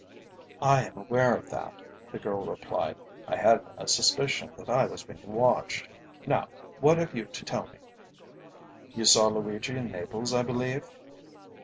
"I am aware of that," the girl replied. "I had a suspicion that I was being watched. Now, what have you to tell me?" "You saw Luigi in Naples, I believe?"